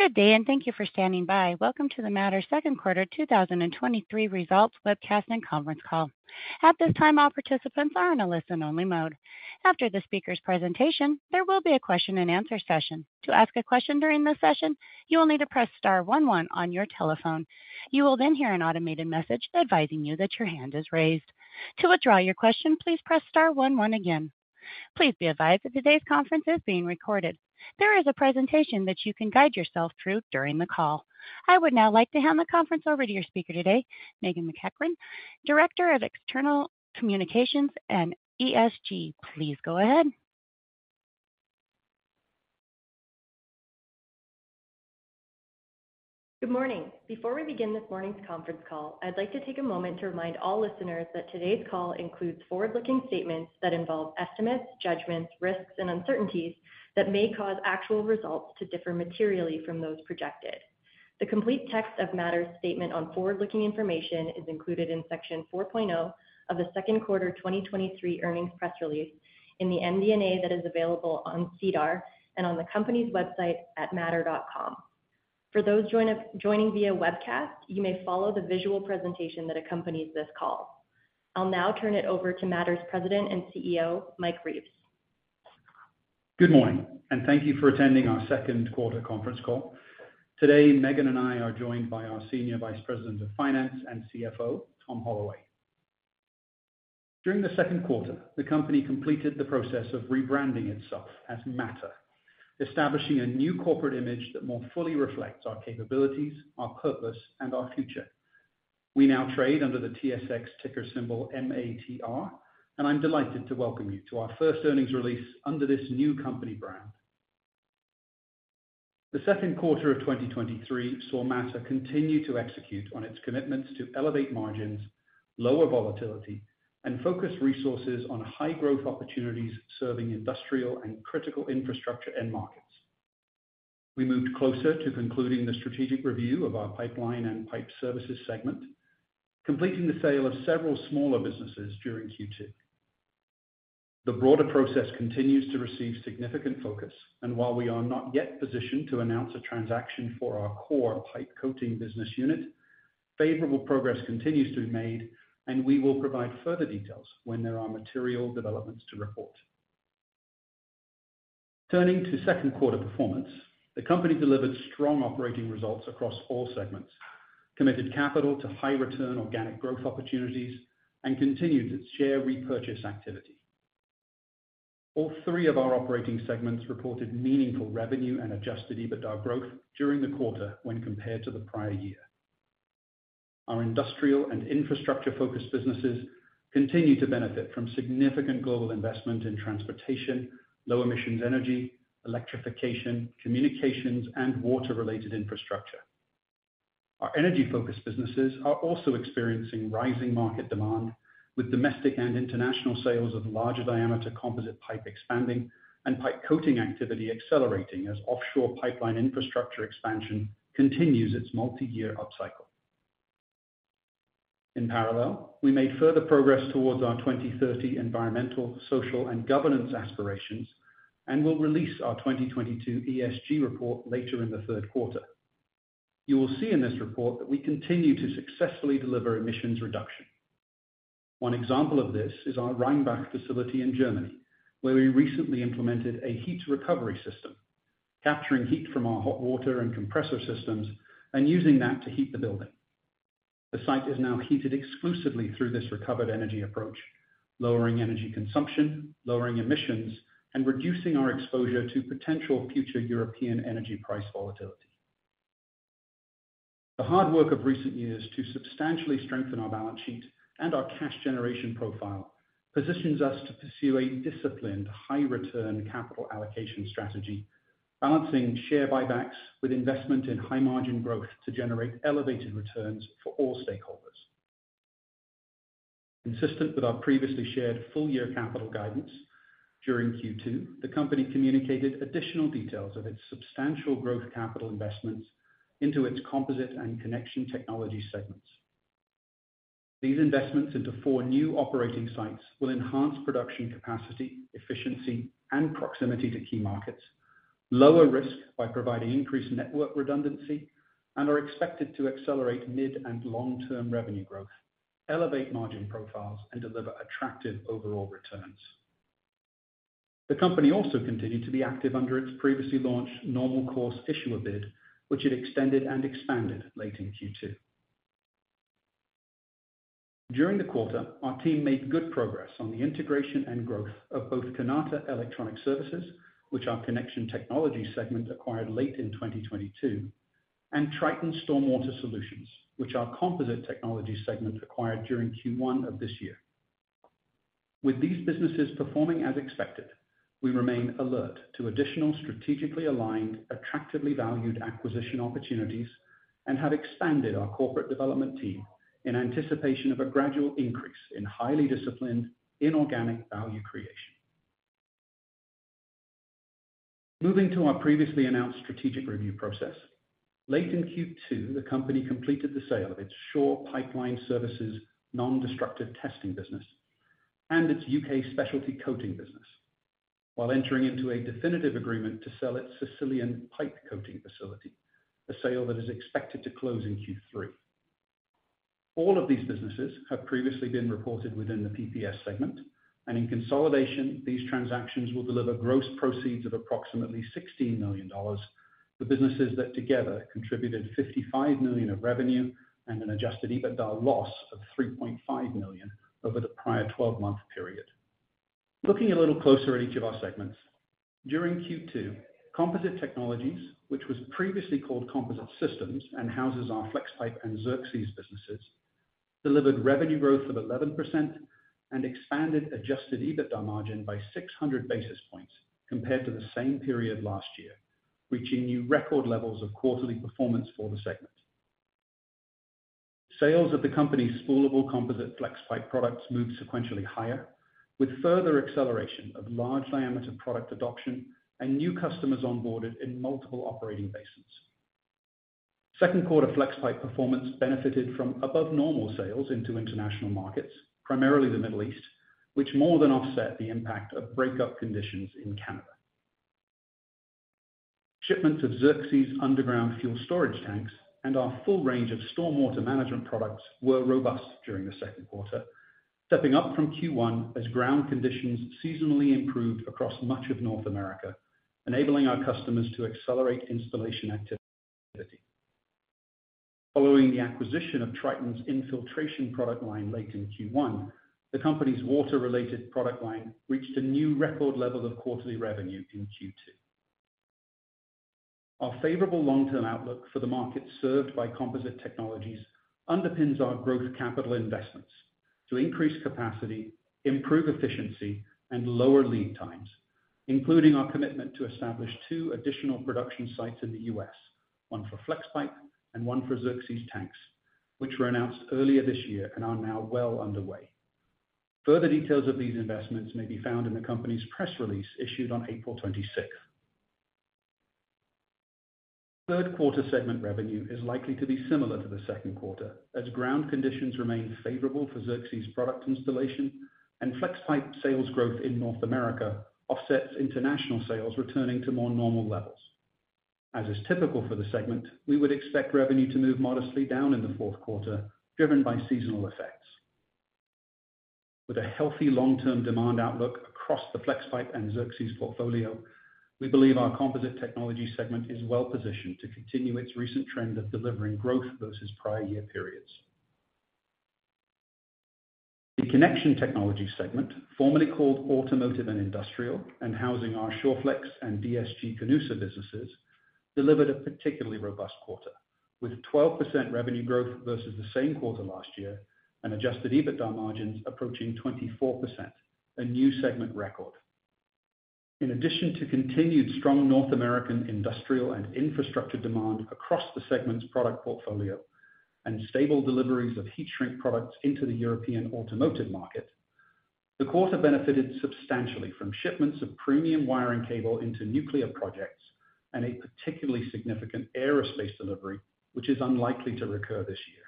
Good day, and thank you for standing by. Welcome to the Mattr's second quarter 2023 results webcast and conference call. At this time, all participants are in a listen-only mode. After the speaker's presentation, there will be a question-and-answer session. To ask a question during this session, you will need to press star one on your telephone. You will then hear an automated message advising you that your hand is raised. To withdraw your question, please press star one one again. Please be advised that today's conference is being recorded. There is a presentation that you can guide yourself through during the call. I would now like to hand the conference over to your speaker today, Meghan MacEachern, Director of External Communications and ESG. Please go ahead. Good morning. Before we begin this morning's conference call, I'd like to take a moment to remind all listeners that today's call includes forward-looking statements that involve estimates, judgments, risks, and uncertainties that may cause actual results to differ materially from those projected. The complete text of Mattr's statement on forward-looking information is included in Section 4.0 of the second quarter 2023 earnings press release in the MD&A that is available on SEDAR and on the company's website at mattr.com. For those joining via webcast, you may follow the visual presentation that accompanies this call. I'll now turn it over to Mattr's President and CEO, Mike Reeves. Good morning, and thank you for attending our second quarter conference call. Today, Meghan and I are joined by our Senior Vice President of Finance and CFO, Tom Holloway. During the second quarter, the company completed the process of rebranding itself as Mattr, establishing a new corporate image that more fully reflects our capabilities, our purpose, and our future. We now trade under the TSX ticker symbol MATR, and I'm delighted to welcome you to our first earnings release under this new company brand. The second quarter of 2023 saw Mattr continue to execute on its commitments to elevate margins, lower volatility, and focus resources on high growth opportunities serving industrial and critical infrastructure end markets. We moved closer to concluding the strategic review of our Pipeline and Pipe Services segment, completing the sale of several smaller businesses during Q2. The broader process continues to receive significant focus, and while we are not yet positioned to announce a transaction for our core pipe coating business unit, favorable progress continues to be made, and we will provide further details when there are material developments to report. Turning to second quarter performance, the company delivered strong operating results across all segments, committed capital to high return organic growth opportunities, and continued its share repurchase activity. All three of our operating segments reported meaningful revenue and adjusted EBITDA growth during the quarter when compared to the prior year. Our industrial and infrastructure-focused businesses continue to benefit from significant global investment in transportation, low emissions energy, electrification, communications, and water-related infrastructure. Our energy-focused businesses are also experiencing rising market demand, with domestic and international sales of larger diameter composite pipe expanding and pipe coating activity accelerating as offshore pipeline infrastructure expansion continues its multi-year upcycle. In parallel, we made further progress towards our 2030 ESG aspirations and will release our 2022 ESG report later in the third quarter. You will see in this report that we continue to successfully deliver emissions reduction. One example of this is our Rheinbach facility in Germany, where we recently implemented a heat recovery system, capturing heat from our hot water and compressor systems and using that to heat the building. The site is now heated exclusively through this recovered energy approach, lowering energy consumption, lowering emissions, and reducing our exposure to potential future European energy price volatility. The hard work of recent years to substantially strengthen our balance sheet and our cash generation profile positions us to pursue a disciplined, high return capital allocation strategy, balancing share buybacks with investment in high margin growth to generate elevated returns for all stakeholders. Consistent with our previously shared full-year capital guidance, during Q2, the company communicated additional details of its substantial growth capital investments into its Composite and Connection Technology segments. These investments into four new operating sites will enhance production capacity, efficiency, and proximity to key markets, lower risk by providing increased network redundancy, and are expected to accelerate mid- and long-term revenue growth, elevate margin profiles, and deliver attractive overall returns. The company also continued to be active under its previously launched normal course issuer bid, which it extended and expanded late in Q2. During the quarter, our team made good progress on the integration and growth of both Kanata Electronic Services, which our Connection Technologies segment acquired late in 2022, and Triton Stormwater Solutions, which our Composite Technologies segment acquired during Q1 of this year. With these businesses performing as expected, we remain alert to additional strategically aligned, attractively valued acquisition opportunities and have expanded our corporate development team in anticipation of a gradual increase in highly disciplined inorganic value creation. Moving to our previously announced strategic review process, late in Q2, the company completed the sale of its Shaw Pipeline Services non-destructive testing business and its U.K. specialty coating business, while entering into a definitive agreement to sell its Sicily pipe coating facility, a sale that is expected to close in Q3. All of these businesses have previously been reported within the PPG segment, and in consolidation, these transactions will deliver gross proceeds of approximately $16 million. The businesses that together contributed $55 million of revenue and an adjusted EBITDA loss of $3.5 million over the prior 12-month period. Looking a little closer at each of our segments, during Q2, Composite Technologies, which was previously called Composite Systems and houses our Flexpipe and Xerxes businesses, delivered revenue growth of 11% and expanded adjusted EBITDA margin by 600 basis points compared to the same period last year, reaching new record levels of quarterly performance for the segment. Sales of the company's spoolable composite Flexpipe products moved sequentially higher, with further acceleration of large diameter product adoption and new customers onboarded in multiple operating basins. Second quarter Flexpipe performance benefited from above normal sales into international markets, primarily the Middle East, which more than offset the impact of breakup conditions in Canada. Shipments of Xerxes underground fuel storage tanks and our full range of stormwater management products were robust during the second quarter, stepping up from Q1 as ground conditions seasonally improved across much of North America, enabling our customers to accelerate installation activity. Following the acquisition of Triton's infiltration product line late in Q1, the company's water-related product line reached a new record level of quarterly revenue in Q2. Our favorable long-term outlook for the market served by Composite Technologies underpins our growth capital investments to increase capacity, improve efficiency, and lower lead times, including our commitment to establish 2 additional production sites in the U.S., one for Flexpipe and one for Xerxes tanks, which were announced earlier this year and are now well underway. Further details of these investments may be found in the company's press release, issued on April 26th. Third quarter segment revenue is likely to be similar to the second quarter, as ground conditions remain favorable for Xerxes product installation, and Flexpipe sales growth in North America offsets international sales, returning to more normal levels. As is typical for the segment, we would expect revenue to move modestly down in the fourth quarter, driven by seasonal effects. With a healthy long-term demand outlook across the Flexpipe and Xerxes portfolio, we believe our Composite Technologies segment is well positioned to continue its recent trend of delivering growth versus prior year periods. The Connection Technologies segment, formerly called Automotive and Industrial, and housing our Shawflex and DSG-Canusa businesses, delivered a particularly robust quarter, with 12% revenue growth versus the same quarter last year and adjusted EBITDA margins approaching 24%, a new segment record. In addition to continued strong North American industrial and infrastructure demand across the segment's product portfolio and stable deliveries of heat shrink products into the European automotive market, the quarter benefited substantially from shipments of premium wiring cable into nuclear projects and a particularly significant aerospace delivery, which is unlikely to recur this year.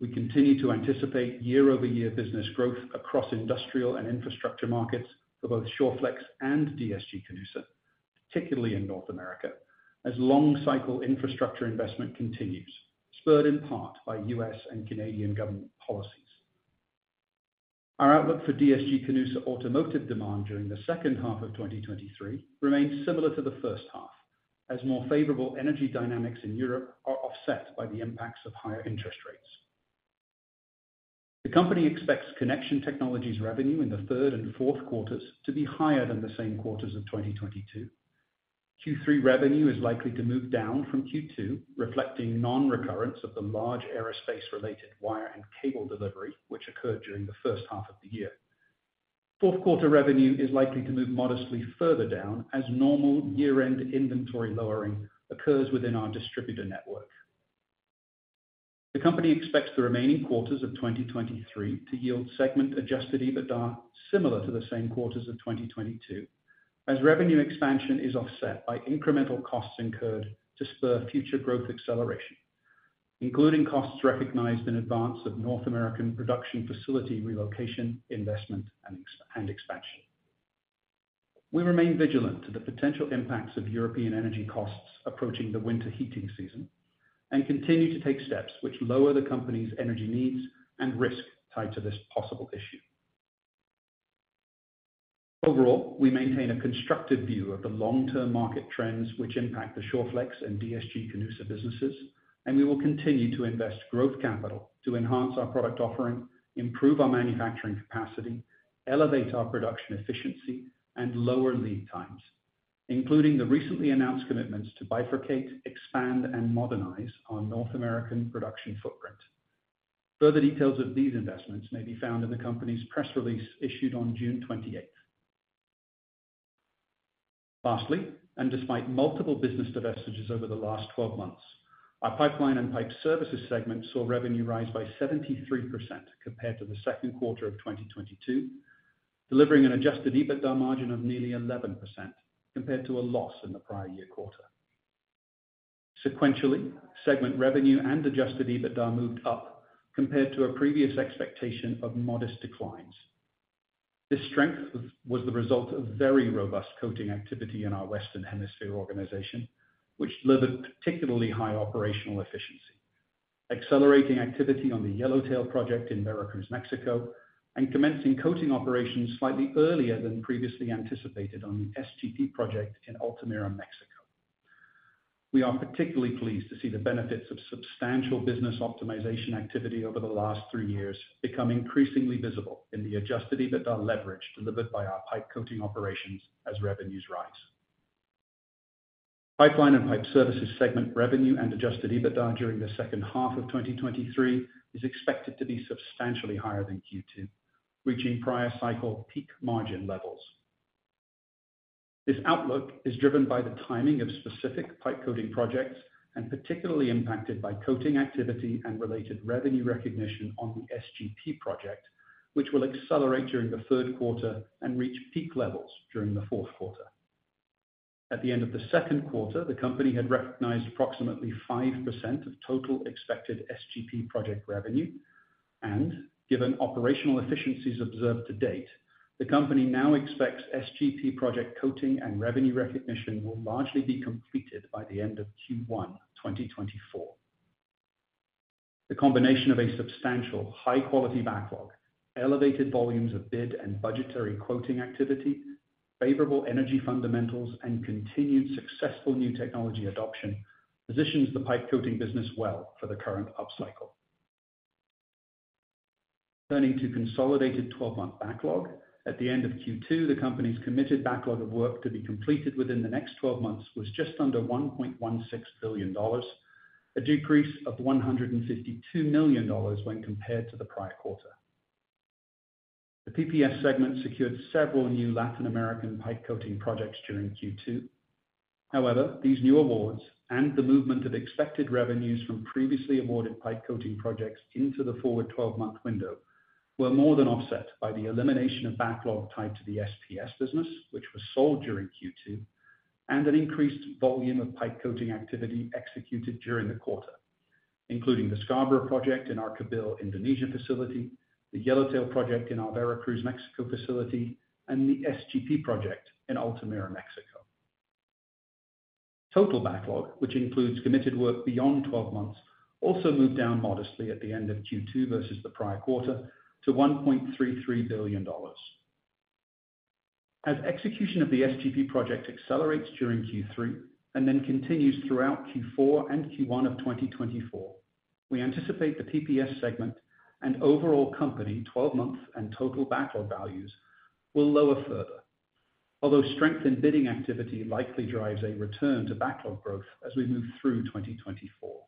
We continue to anticipate year-over-year business growth across industrial and infrastructure markets for both Shawflex and DSG-Canusa, particularly in North America, as long cycle infrastructure investment continues, spurred in part by U.S. and Canadian government policies. Our outlook for DSG-Canusa automotive demand during the second half of 2023 remains similar to the first half, as more favorable energy dynamics in Europe are offset by the impacts of higher interest rates. The company expects Connection Technologies revenue in the third and fourth quarters to be higher than the same quarters of 2022. Q3 revenue is likely to move down from Q2, reflecting non-recurrence of the large aerospace-related wire and cable delivery, which occurred during the first half of the year. Fourth quarter revenue is likely to move modestly further down as normal year-end inventory lowering occurs within our distributor network. The company expects the remaining quarters of 2023 to yield segment-adjusted EBITDA, similar to the same quarters of 2022, as revenue expansion is offset by incremental costs incurred to spur future growth acceleration, including costs recognized in advance of North American production facility relocation, investment, and expansion. We remain vigilant to the potential impacts of European energy costs approaching the winter heating season and continue to take steps which lower the company's energy needs and risk tied to this possible issue. Overall, we maintain a constructive view of the long-term market trends which impact the Shawflex and DSG-Canusa businesses. We will continue to invest growth capital to enhance our product offering, improve our manufacturing capacity, elevate our production efficiency, and lower lead times, including the recently announced commitments to bifurcate, expand and modernize our North American production footprint. Further details of these investments may be found in the company's press release, issued on June 28th. Lastly, and despite multiple business divestitures over the last 12 months, our Pipeline and Pipe Services segment saw revenue rise by 73% compared to the second quarter of 2022, delivering an adjusted EBITDA margin of nearly 11% compared to a loss in the prior year quarter. Sequentially, segment revenue and adjusted EBITDA moved up compared to a previous expectation of modest declines. This strength was the result of very robust coating activity in our Western Hemisphere organization, which delivered particularly high operational efficiency, accelerating activity on the Yellowtail project in Veracruz, Mexico, and commencing coating operations slightly earlier than previously anticipated on the SGP project in Altamira, Mexico. We are particularly pleased to see the benefits of substantial business optimization activity over the last three years become increasingly visible in the adjusted EBITDA leverage delivered by our pipe coating operations as revenues rise. Pipeline and Pipe Services segment revenue and adjusted EBITDA during the second half of 2023 is expected to be substantially higher than Q2, reaching prior cycle peak margin levels. This outlook is driven by the timing of specific pipe coating projects and particularly impacted by coating activity and related revenue recognition on the SGP project, which will accelerate during the third quarter and reach peak levels during the fourth quarter. At the end of the second quarter, the company had recognized approximately 5% of total expected SGP project revenue, and given operational efficiencies observed to date, the company now expects SGP project coating and revenue recognition will largely be completed by the end of Q1 2024. The combination of a substantial high-quality backlog, elevated volumes of bid and budgetary quoting activity, favorable energy fundamentals, and continued successful new technology adoption, positions the pipe coating business well for the current upcycle. Turning to consolidated 12-month backlog. At the end of Q2, the company's committed backlog of work to be completed within the next 12 months was just under $1.16 billion, a decrease of $152 million when compared to the prior quarter. The PPG segment secured several new Latin American pipe coating projects during Q2. These new awards and the movement of expected revenues from previously awarded pipe coating projects into the forward 12-month window, were more than offset by the elimination of backlog tied to the SPS business, which was sold during Q2, and an increased volume of pipe coating activity executed during the quarter, including the Scarborough project in our Kabil, Indonesia facility, the Yellowtail project in our Veracruz, Mexico facility, and the SGP project in Altamira, Mexico. Total backlog, which includes committed work beyond 12 months, also moved down modestly at the end of Q2 versus the prior quarter to $1.33 billion. As execution of the SGP project accelerates during Q3 and then continues throughout Q4 and Q1 of 2024, we anticipate the PPG segment and overall company 12-month and total backlog values will lower further. Although strength in bidding activity likely drives a return to backlog growth as we move through 2024.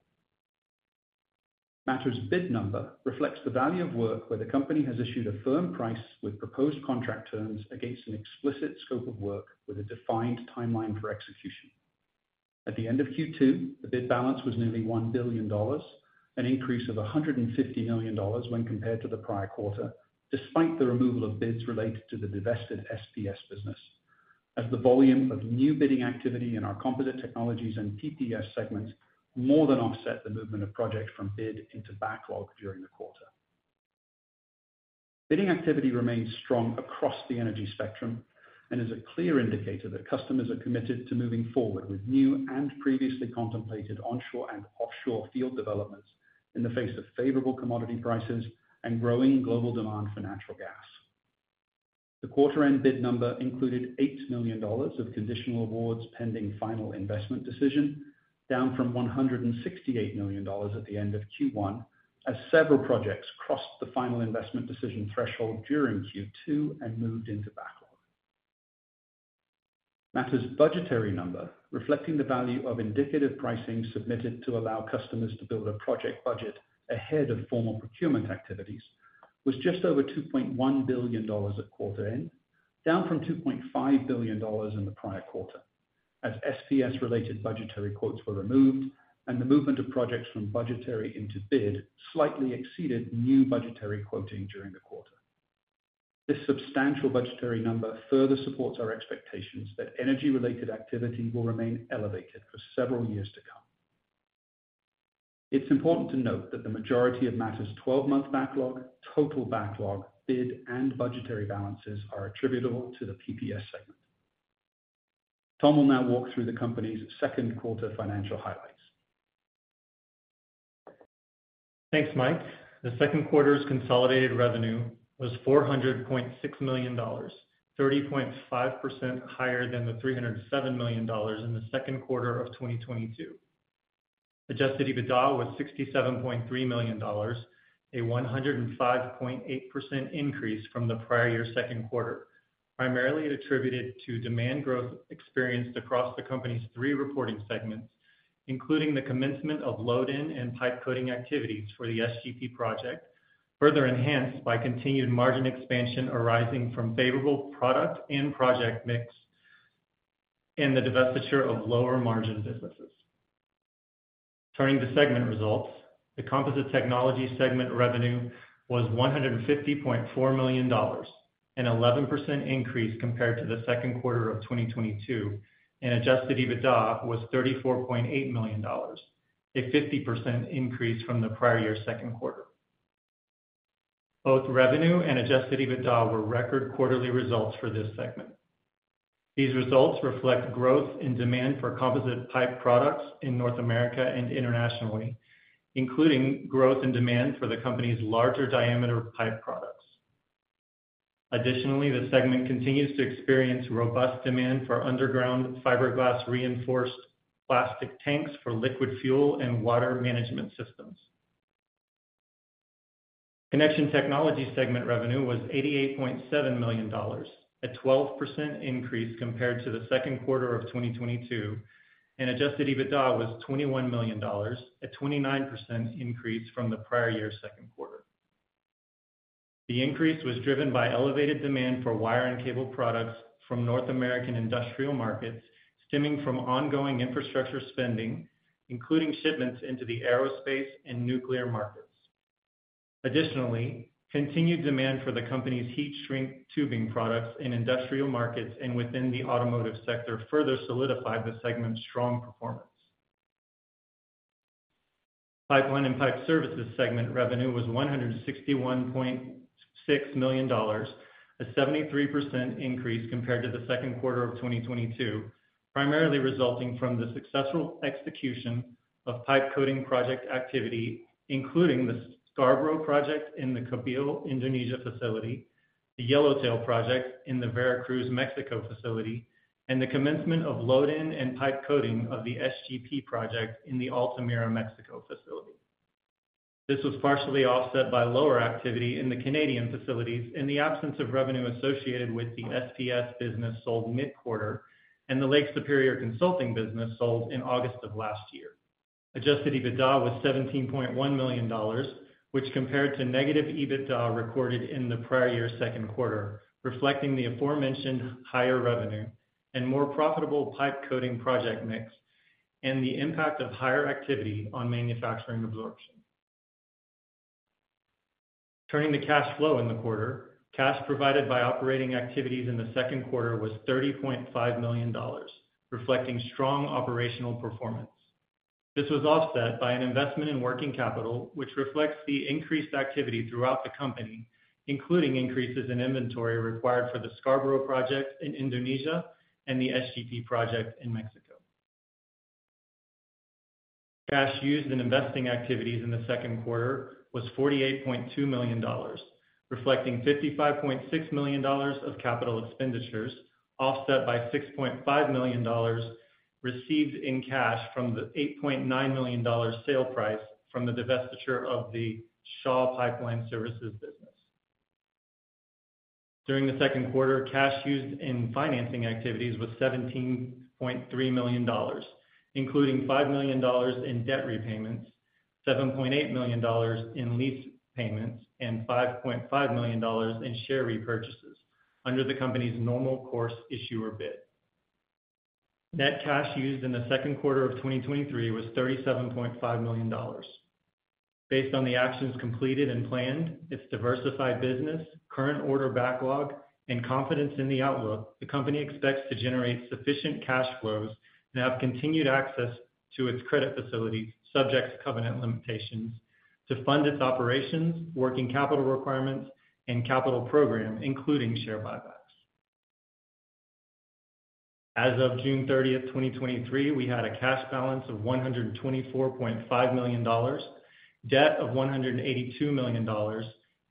Mattr's bid number reflects the value of work where the company has issued a firm price with proposed contract terms against an explicit scope of work with a defined timeline for execution. At the end of Q2, the bid balance was nearly 1 billion dollars, an increase of 150 million dollars when compared to the prior quarter, despite the removal of bids related to the divested SPS business, as the volume of new bidding activity in our Composite Technologies and PPG segments more than offset the movement of projects from bid into backlog during the quarter. Bidding activity remains strong across the energy spectrum and is a clear indicator that customers are committed to moving forward with new and previously contemplated onshore and offshore field developments in the face of favorable commodity prices and growing global demand for natural gas. The quarter-end bid number included $8 million of conditional awards pending final investment decision, down from $168 million at the end of Q1, as several projects crossed the final investment decision threshold during Q2 and moved into backlog. Mattr's budgetary number, reflecting the value of indicative pricing submitted to allow customers to build a project budget ahead of formal procurement activities, was just over $2.1 billion at quarter end, down from $2.5 billion in the prior quarter, as SPS-related budgetary quotes were removed and the movement of projects from budgetary into bid slightly exceeded new budgetary quoting during the quarter. This substantial budgetary number further supports our expectations that energy-related activity will remain elevated for several years to come. It's important to note that the majority of Mattr's 12-month backlog, total backlog, bid, and budgetary balances are attributable to the PPG segment. Tom will now walk through the company's second quarter financial highlights. Thanks, Mike. The second quarter's consolidated revenue was 400.6 million dollars, 30.5% higher than the 307 million dollars in the second quarter of 2022. Adjusted EBITDA was 67.3 million dollars, a 105.8% increase from the prior year second quarter, primarily attributed to demand growth experienced across the company's three reporting segments, including the commencement of load-in and pipe coating activities for the SGP project, further enhanced by continued margin expansion arising from favorable product and project mix, and the divestiture of lower margin businesses. Turning to segment results. The Composite Technologies segment revenue was $150.4 million, an 11% increase compared to the second quarter of 2022. Adjusted EBITDA was $34.8 million, a 50% increase from the prior year's second quarter. Both revenue and adjusted EBITDA were record quarterly results for this segment. These results reflect growth in demand for composite pipe products in North America and internationally, including growth and demand for the company's larger diameter pipe products. Additionally, the segment continues to experience robust demand for underground fiberglass-reinforced plastic tanks for liquid fuel and water management systems. Connection Technologies segment revenue was $88.7 million, a 12% increase compared to the second quarter of 2022. Adjusted EBITDA was $21 million, a 29% increase from the prior year's second quarter. The increase was driven by elevated demand for wire and cable products from North American industrial markets, stemming from ongoing infrastructure spending, including shipments into the aerospace and nuclear markets. Additionally, continued demand for the company's heat shrink tubing products in industrial markets and within the automotive sector, further solidified the segment's strong performance. Pipeline and Pipe Services segment revenue was $161.6 million, a 73% increase compared to the second quarter of 2022, primarily resulting from the successful execution of pipe coating project activity, including the Scarborough project in the Kabil, Indonesia facility, the Yellowtail project in the Veracruz, Mexico facility, and the commencement of load-in and pipe coating of the SGP project in the Altamira, Mexico facility. This was partially offset by lower activity in the Canadian facilities and the absence of revenue associated with the SPS business sold mid-quarter and the Lake Superior Consulting business sold in August of last year. Adjusted EBITDA was 17.1 million dollars, which compared to negative EBITDA recorded in the prior year's second quarter, reflecting the aforementioned higher revenue and more profitable pipe coating project mix, and the impact of higher activity on manufacturing absorption. Turning to cash flow in the quarter. Cash provided by operating activities in the second quarter was 30.5 million dollars, reflecting strong operational performance. This was offset by an investment in working capital, which reflects the increased activity throughout the company, including increases in inventory required for the Scarborough project in Indonesia and the SGP project in Mexico. Cash used in investing activities in the second quarter was $48.2 million, reflecting $55.6 million of capital expenditures, offset by $6.5 million received in cash from the $8.9 million sale price from the divestiture of the Shaw Pipeline Services business. During the second quarter, cash used in financing activities was $17.3 million, including $5 million in debt repayments, $7.8 million in lease payments, and $5.5 million in share repurchases under the company's normal course issuer bid. Net cash used in the second quarter of 2023 was $37.5 million. Based on the actions completed and planned, its diversified business, current order backlog, and confidence in the outlook, the company expects to generate sufficient cash flows and have continued access to its credit facilities, subject to covenant limitations, to fund its operations, working capital requirements, and capital program, including share buybacks. As of June 30th, 2023, we had a cash balance of $124.5 million, debt of $182 million,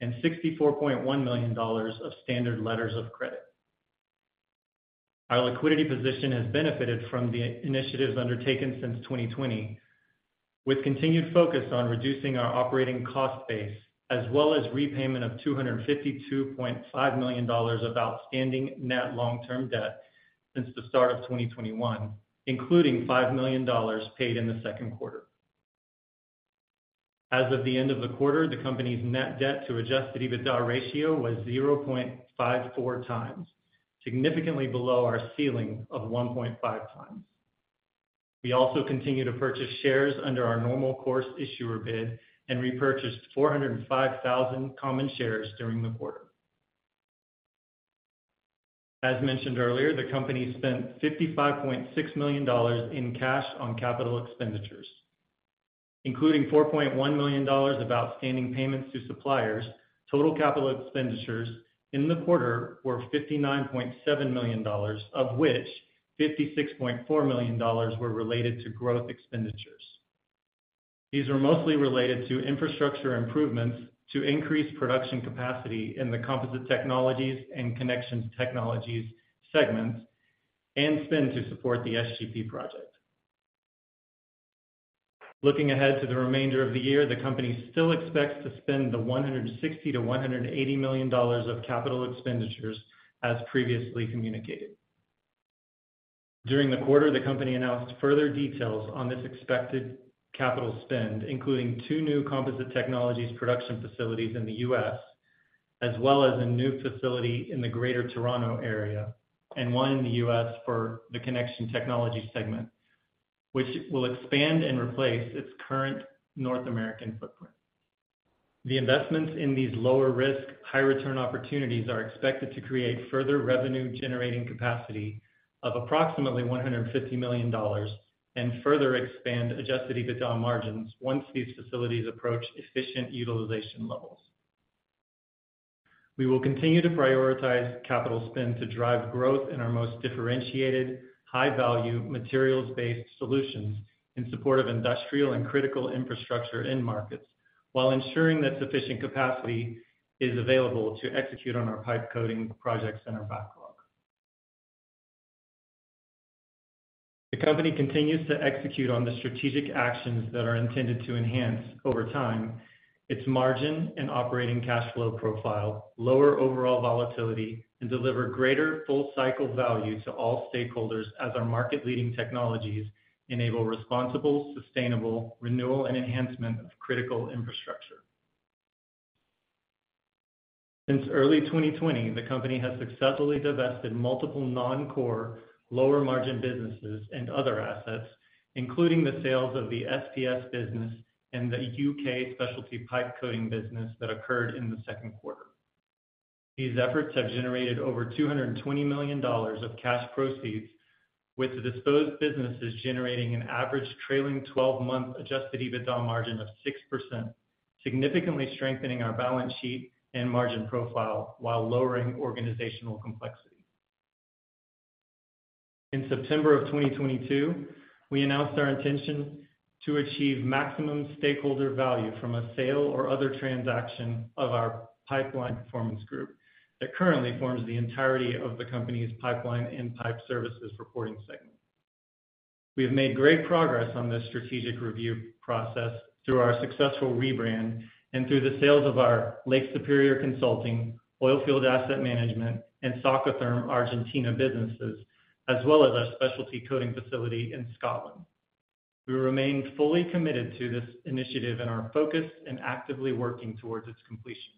and $64.1 million of standard letters of credit. Our liquidity position has benefited from the initiatives undertaken since 2020, with continued focus on reducing our operating cost base, as well as repayment of $252.5 million of outstanding net long-term debt since the start of 2021, including $5 million paid in the second quarter. As of the end of the quarter, the company's net debt to adjusted EBITDA ratio was 0.54 times, significantly below our ceiling of 1.5 times. We also continue to purchase shares under our normal course issuer bid and repurchased 405,000 common shares during the quarter. As mentioned earlier, the company spent 55.6 million dollars in cash on capital expenditures, including 4.1 million dollars of outstanding payments to suppliers. Total capital expenditures in the quarter were 59.7 million dollars, of which 56.4 million dollars were related to growth expenditures. These are mostly related to infrastructure improvements to increase production capacity in the Composite Technologies and Connection Technologies segments, and spend to support the SGP project. Looking ahead to the remainder of the year, the company still expects to spend $160 million-$180 million of capital expenditures as previously communicated. During the quarter, the company announced further details on this expected capital spend, including two new Composite Technologies production facilities in the U.S. as well as a new facility in the Greater Toronto area and one in the U.S. for the Connection Technologies segment, which will expand and replace its current North American footprint. The investments in these lower risk, high return opportunities are expected to create further revenue-generating capacity of approximately $150 million and further expand adjusted EBITDA margins once these facilities approach efficient utilization levels. We will continue to prioritize capital spend to drive growth in our most differentiated, high-value, materials-based solutions in support of industrial and critical infrastructure end markets, while ensuring that sufficient capacity is available to execute on our pipe coating projects and our backlog. The company continues to execute on the strategic actions that are intended to enhance, over time, its margin and operating cash flow profile, lower overall volatility, and deliver greater full cycle value to all stakeholders as our market-leading technologies enable responsible, sustainable renewal and enhancement of critical infrastructure. Since early 2020, the company has successfully divested multiple non-core, lower-margin businesses and other assets, including the sales of the SPS business and the U.K. specialty pipe coating business that occurred in the second quarter. These efforts have generated over $220 million of cash proceeds, with the disposed businesses generating an average trailing twelve-month adjusted EBITDA margin of 6%, significantly strengthening our balance sheet and margin profile while lowering organizational complexity. In September 2022, we announced our intention to achieve maximum stakeholder value from a sale or other transaction of our Pipeline Performance Group that currently forms the entirety of the company's Pipeline and Pipe Services reporting segment. We have made great progress on this strategic review process through our successful rebrand and through the sales of our Lake Superior Consulting, Oilfield Asset Management, and Socotherm Argentina businesses, as well as our specialty coating facility in Scotland. We remain fully committed to this initiative and are focused and actively working towards its completion.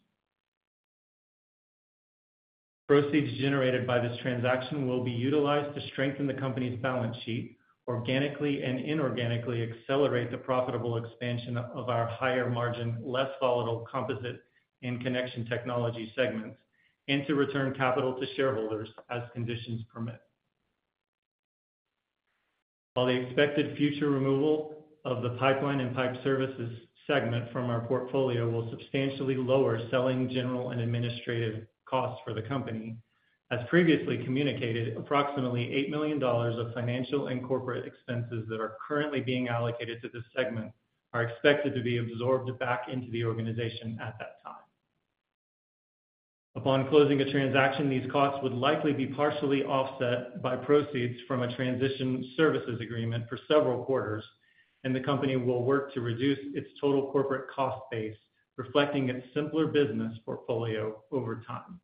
Proceeds generated by this transaction will be utilized to strengthen the company's balance sheet, organically and inorganically accelerate the profitable expansion of our higher margin, less volatile Composite in Connection Technologies segments, and to return capital to shareholders as conditions permit. While the expected future removal of the Pipeline and Pipe Services segment from our portfolio will substantially lower selling general and administrative costs for the company, as previously communicated, approximately 8 million dollars of financial and corporate expenses that are currently being allocated to this segment are expected to be absorbed back into the organization at that time. Upon closing a transaction, these costs would likely be partially offset by proceeds from a transition services agreement for several quarters, and the company will work to reduce its total corporate cost base, reflecting its simpler business portfolio over time.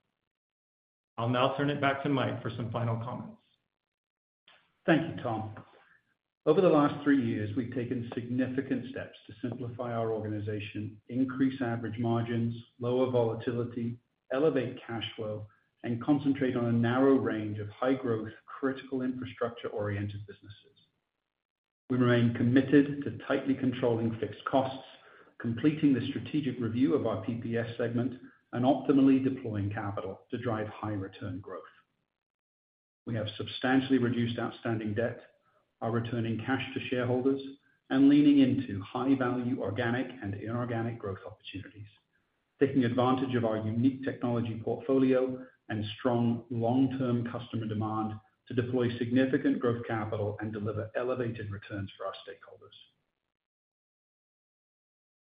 I'll now turn it back to Mike for some final comments. Thank you, Tom. Over the last three years, we've taken significant steps to simplify our organization, increase average margins, lower volatility, elevate cash flow, and concentrate on a narrow range of high-growth, critical infrastructure-oriented businesses. We remain committed to tightly controlling fixed costs, completing the strategic review of our PPG segment, and optimally deploying capital to drive high return growth. We have substantially reduced outstanding debt, are returning cash to shareholders, and leaning into high-value organic and inorganic growth opportunities, taking advantage of our unique technology portfolio and strong long-term customer demand to deploy significant growth capital and deliver elevated returns for our stakeholders.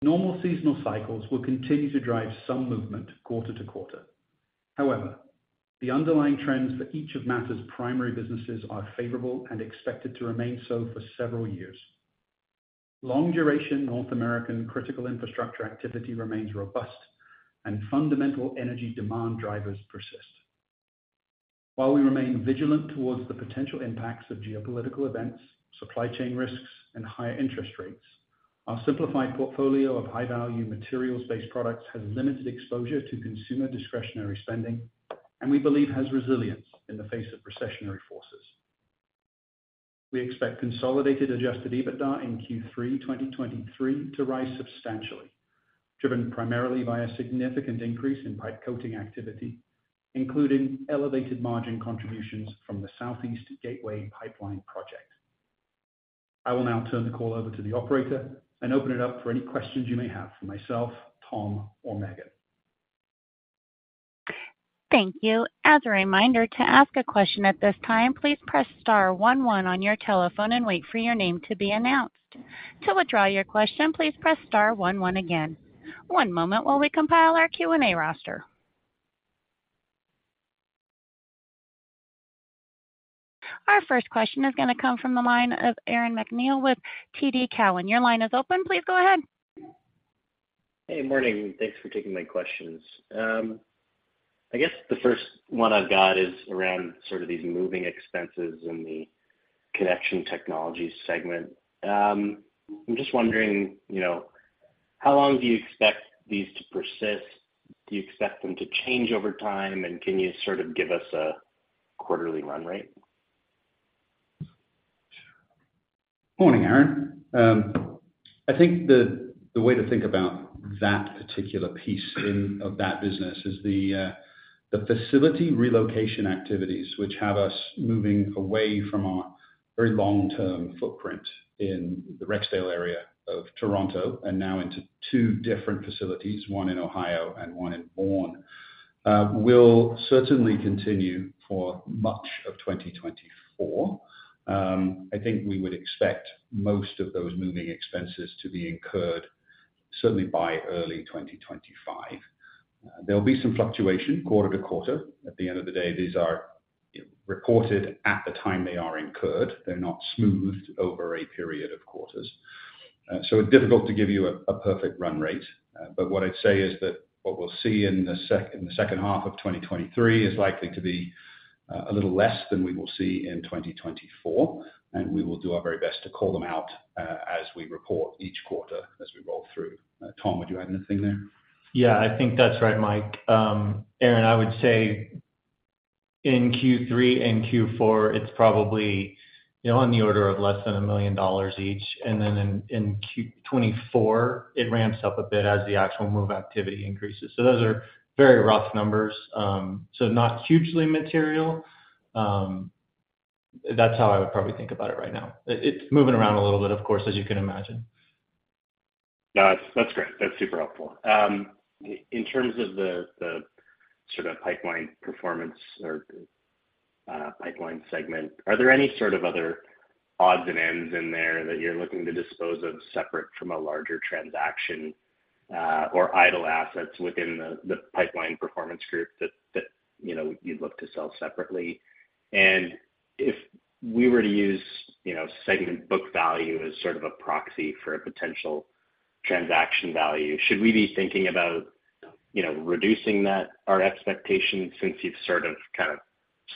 Normal seasonal cycles will continue to drive some movement quarter-to-quarter. However, the underlying trends for each of Mattr's primary businesses are favorable and expected to remain so for several years. Long-duration North American critical infrastructure activity remains robust and fundamental energy demand drivers persist. While we remain vigilant towards the potential impacts of geopolitical events, supply chain risks, and higher interest rates, our simplified portfolio of high-value materials-based products has limited exposure to consumer discretionary spending and we believe has resilience in the face of recessionary forces. We expect consolidated adjusted EBITDA in Q3 2023 to rise substantially, driven primarily by a significant increase in pipe coating activity, including elevated margin contributions from the Southeast Gateway Pipeline Project. I will now turn the call over to the operator and open it up for any questions you may have for myself, Tom, or Meghan. Thank you. As a reminder, to ask a question at this time, please press star 11 on your telephone and wait for your name to be announced. To withdraw your question, please press star 11 again. One moment while we compile our Q&A roster. Our first question is going to come from the line of Aaron MacNeil with TD Cowen. Your line is open. Please go ahead. Hey, morning. Thanks for taking my questions. I guess the first one I've got is around sort of these moving expenses in the Connection Technologies segment. I'm just wondering, you know, how long do you expect these to persist? Do you expect them to change over time, and can you sort of give us a quarterly run rate? Morning, Aaron. I think the, the way to think about that particular piece in, of that business is the, the facility relocation activities, which have us moving away from our very long-term footprint in the Rexdale area of Toronto and now into 2 different facilities, one in Ohio and one in Vaughan, will certainly continue for much of 2024. I think we would expect most of those moving expenses to be incurred certainly by early 2025. There'll be some fluctuation quarter to quarter. At the end of the day, these are, you know, reported at the time they are incurred. They're not smoothed over a period of quarters. It's difficult to give you a perfect run rate. What I'd say is that what we'll see in the second half of 2023 is likely to be a little less than we will see in 2024. We will do our very best to call them out as we report each quarter as we roll through. Tom, would you add anything there? Yeah, I think that's right, Mike. Aaron, I would say in Q3 and Q4, it's probably, you know, on the order of less than $1 million each, and then in Q 2024, it ramps up a bit as the actual move activity increases. Those are very rough numbers. Not hugely material. That's how I would probably think about it right now. It, it's moving around a little bit, of course, as you can imagine. That's, that's great. That's super helpful. In terms of the, the sort of pipeline performance or, pipeline segment, are there any sort of other odds and ends in there that you're looking to dispose of separate from a larger transaction, or idle assets within the Pipeline Performance Group that, that, you know, you'd look to sell separately? If we were to use, you know, segment book value as sort of a proxy for a potential transaction value, should we be thinking about, you know, reducing that, our expectations, since you've sort of kind of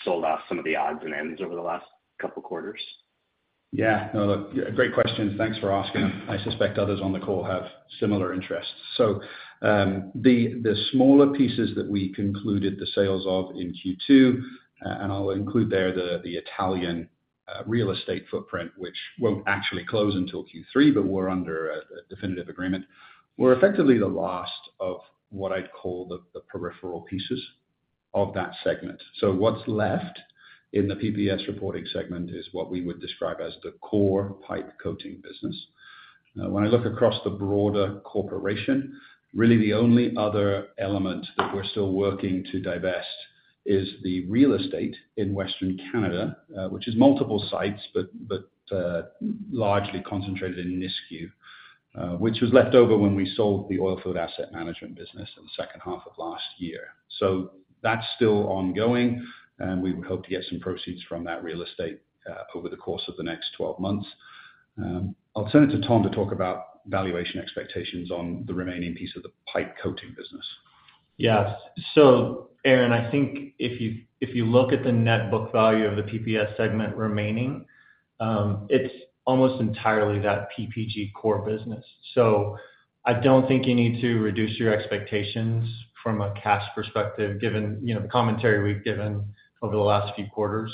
sold off some of the odds and ends over the last 2 quarters? Yeah. No, look, great question. Thanks for asking. I suspect others on the call have similar interests. The smaller pieces that we concluded the sales of in Q2, and I'll include there the Italian real estate footprint, which won't actually close until Q3, but we're under a definitive agreement, we're effectively the last of what I'd call the peripheral pieces of that segment. What's left in the PPG reporting segment is what we would describe as the core pipe coating business. When I look across the broader corporation, really the only other element that we're still working to divest is the real estate in Western Canada, which is multiple sites, but, but largely concentrated in Nisku, which was left over when we sold the Oilfield Asset Management business in the second half of last year. That's still ongoing, and we would hope to get some proceeds from that real estate over the course of the next 12 months. I'll turn it to Tom to talk about valuation expectations on the remaining piece of the pipe coating business. Yes. Aaron, I think if you, if you look at the net book value of the PPG segment remaining, it's almost entirely that PPG core business. I don't think you need to reduce your expectations from a cash perspective, given, you know, the commentary we've given over the last few quarters.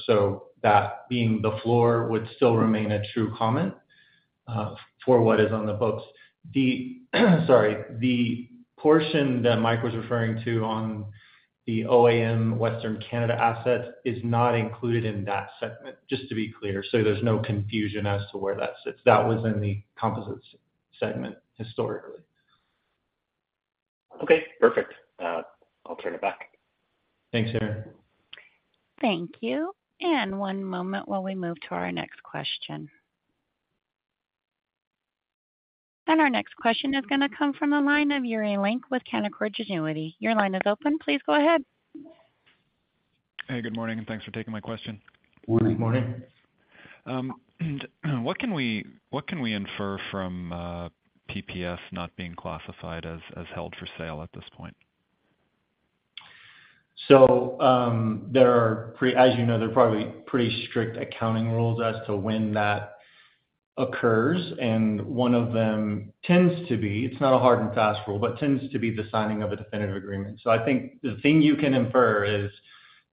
That being the floor would still remain a true comment for what is on the books. The, sorry, the portion that Mike was referring to on the OAM Western Canada assets is not included in that segment, just to be clear. There's no confusion as to where that sits. That was in the Composites segment historically. Okay, perfect. I'll turn it back. Thanks, Aaron. Thank you. One moment while we move to our next question. Our next question is going to come from the line of Yuri Lynk with Canaccord Genuity. Your line is open. Please go ahead. Hey, good morning, and thanks for taking my question. Good morning. Good morning. What can we infer from PPG not being classified as held for sale at this point? As you know, there are probably pretty strict accounting rules as to when that occurs, and one of them tends to be, it's not a hard and fast rule, but tends to be the signing of a definitive agreement. I think the thing you can infer is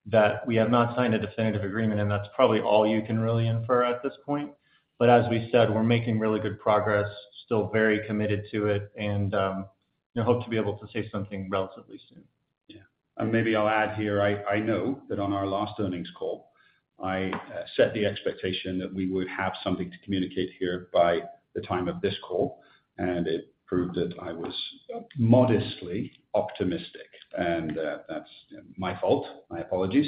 that we have not signed a definitive agreement, and that's probably all you can really infer at this point. As we said, we're making really good progress, still very committed to it, and I hope to be able to say something relatively soon. Yeah. Maybe I'll add here, I, I know that on our last earnings call, I, set the expectation that we would have something to communicate here by the time of this call, and it proved that I was modestly optimistic, and that's my fault. My apologies.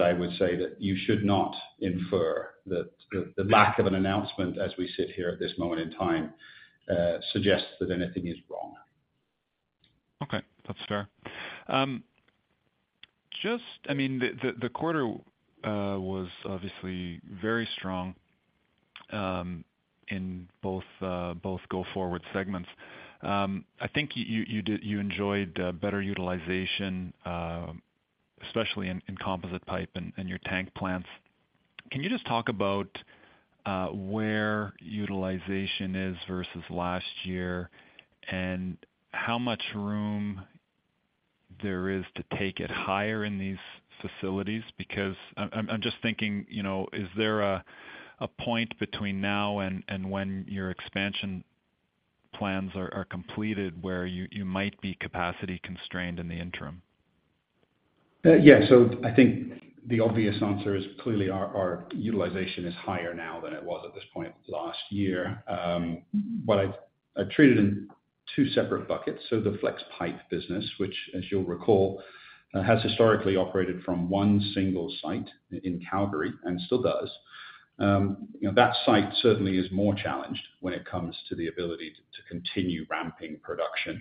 I would say that you should not infer that the, the lack of an announcement as we sit here at this moment in time, suggests that anything is wrong. Okay. That's fair. Just, I mean, the quarter was obviously very strong in both both go forward segments. I think you enjoyed better utilization especially in composite pipe and your tank plants. Can you just talk about where utilization is versus last year, and how much room there is to take it higher in these facilities? Because I'm just thinking, you know, is there a point between now and when your expansion plans are completed where you might be capacity constrained in the interim? Yeah. I think the obvious answer is clearly our, our utilization is higher now than it was at this point last year. I treated in two separate buckets. The Flexpipe business, which, as you'll recall, has historically operated from one single site in Calgary and still does. You know, that site certainly is more challenged when it comes to the ability to, to continue ramping production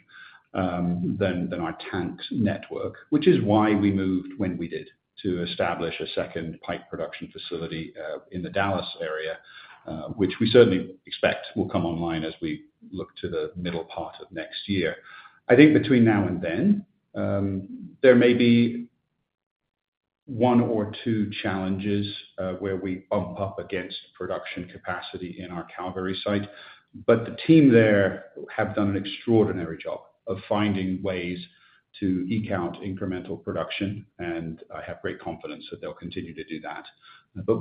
than our tank network, which is why we moved when we did, to establish a second pipe production facility in the Dallas area, which we certainly expect will come online as we look to the middle part of next year. I think between now and then, there may be 1 or 2 challenges where we bump up against production capacity in our Calgary site, but the team there have done an extraordinary job of finding ways to eke out incremental production, and I have great confidence that they'll continue to do that.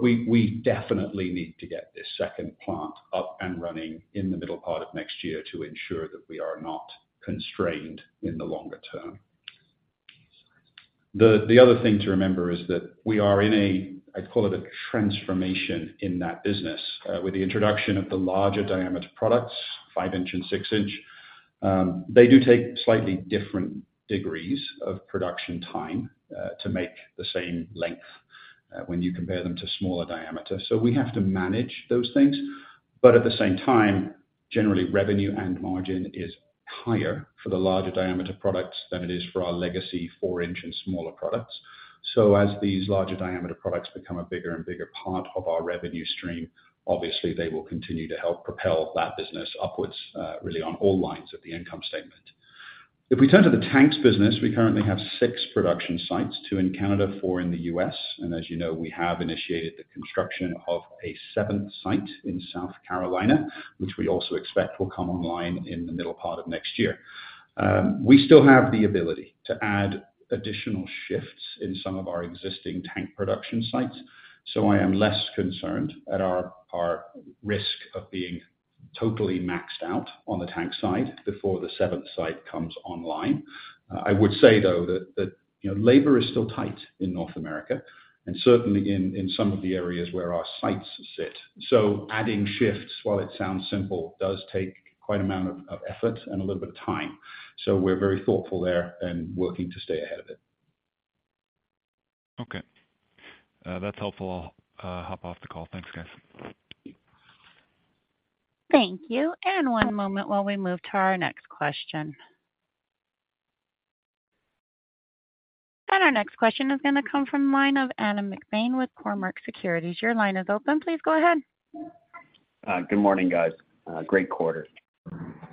We, we definitely need to get this second plant up and running in the middle part of next year to ensure that we are not constrained in the longer term. The other thing to remember is that we are in a, I'd call it a transformation in that business, with the introduction of the larger diameter products, 5 inch and 6 inch. They do take slightly different degrees of production time to make the same length when you compare them to smaller diameter. We have to manage those things, but at the same time, generally, revenue and margin is higher for the larger diameter products than it is for our legacy 4-inch and smaller products. As these larger diameter products become a bigger and bigger part of our revenue stream, obviously they will continue to help propel that business upwards, really on all lines of the income statement. If we turn to the tanks business, we currently have 6 production sites, 2 in Canada, 4 in the U.S., and as you know, we have initiated the construction of a 7th site in South Carolina, which we also expect will come online in the middle part of next year. We still have the ability to add additional shifts in some of our existing tank production sites, so I am less concerned at our, our risk of being totally maxed out on the tank side before the seventh site comes online. I would say, though, that, that, you know, labor is still tight in North America and certainly in, in some of the areas where our sites sit. Adding shifts, while it sounds simple, does take quite an amount of, of effort and a little bit of time. We're very thoughtful there and working to stay ahead of it. Okay, that's helpful. I'll hop off the call. Thanks, guys. Thank you, one moment while we move to our next question. Our next question is gonna come from the line of Adam McBain with Cormark Securities. Your line is open. Please go ahead. Good morning, guys. Great quarter.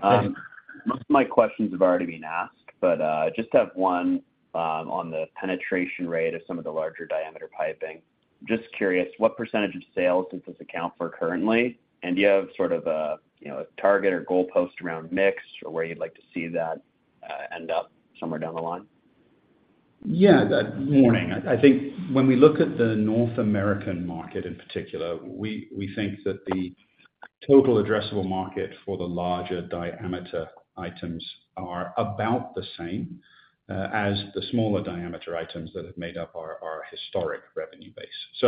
Thanks. Most of my questions have already been asked, just have 1 on the penetration rate of some of the larger diameter piping. Just curious, what percentage of sales does this account for currently? Do you have sort of a, you know, a target or goalpost around mix or where you'd like to see that end up somewhere down the line? Yeah, good morning. I think when we look at the North American market in particular, we think that the total addressable market for the larger diameter items are about the same as the smaller diameter items that have made up our historic revenue base.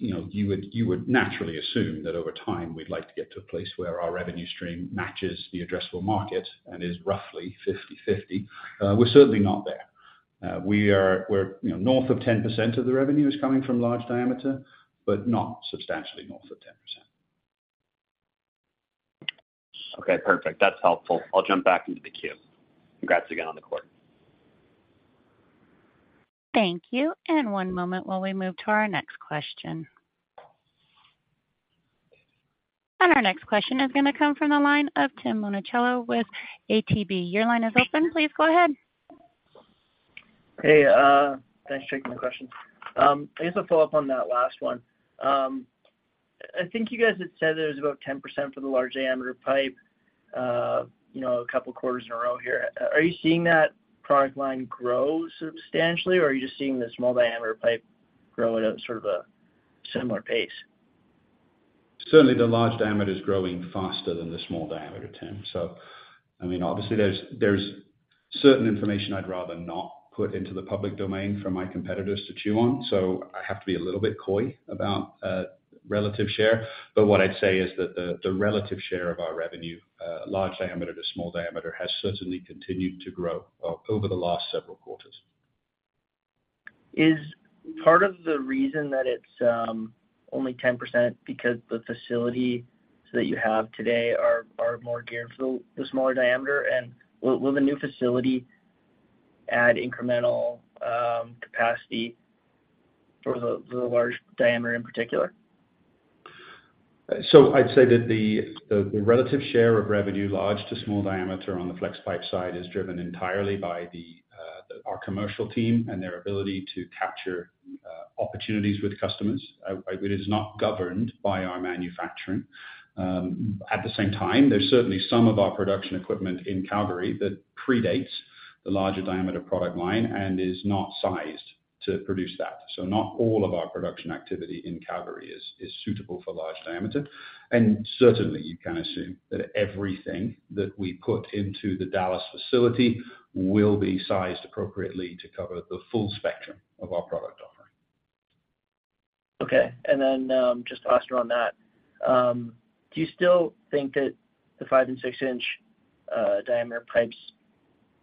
You know, you would naturally assume that over time, we'd like to get to a place where our revenue stream matches the addressable market and is roughly 50/50. We're certainly not there. We're, you know, north of 10% of the revenue is coming from large diameter, but not substantially north of 10%. Okay, perfect. That's helpful. I'll jump back into the queue. Congrats again on the quarter. Thank you. One moment while we move to our next question. Our next question is gonna come from the line of Tim Monachello with ATB. Your line is open. Please go ahead. Hey, thanks for taking my question. I guess I'll follow up on that last one. I think you guys had said that it was about 10% for the large diameter pipe, you know, a couple of quarters in a row here. Are you seeing that product line grow substantially, or are you just seeing the small diameter pipe growing at sort of a similar pace? Certainly, the large diameter is growing faster than the small diameter, Tim. I mean, obviously, there's, there's certain information I'd rather not put into the public domain for my competitors to chew on, so I have to be a little bit coy about relative share. What I'd say is that the, the relative share of our revenue, large diameter to small diameter, has certainly continued to grow over the last several quarters. Is- ...Part of the reason that it's only 10% because the facilities that you have today are, are more geared for the, the smaller diameter? Will, will the new facility add incremental capacity for the, the large diameter in particular? I'd say that the, the, the relative share of revenue, large to small diameter on the Flexpipe side, is driven entirely by the, our commercial team and their ability to capture, opportunities with customers. It is not governed by our manufacturing. At the same time, there's certainly some of our production equipment in Calgary that predates the larger diameter product line and is not sized to produce that. Not all of our production activity in Calgary is, is suitable for large diameter. Certainly, you can assume that everything that we put into the Dallas facility will be sized appropriately to cover the full spectrum of our product offering. Okay. Just to ask you on that, do you still think that the five- and six-inch diameter pipes